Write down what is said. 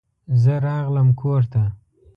زه راغلم کور ته.